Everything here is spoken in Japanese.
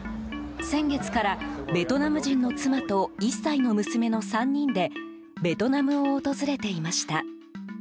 先月からベトナム人の妻と１歳の娘の３人でベトナムを訪れていました。